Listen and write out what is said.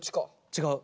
違う。